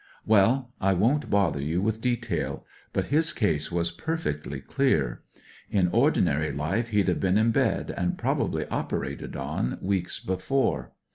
Well, I won't bother you with detail, but his case was per fectly dear. In ordinary hfe he'd have been in bed, and probably operated on, weeks before.